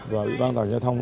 và ủy ban tòa nhà thông